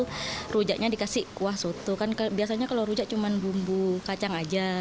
itu rujaknya dikasih kuah soto kan biasanya kalau rujak cuma bumbu kacang aja